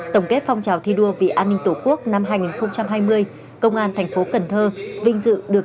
tổng kết phong trào thi đua vì an ninh tổ quốc năm hai nghìn hai mươi công an thành phố cần thơ vinh dự được